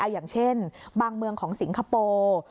อย่างเช่นบางเมืองของสิงคโปร์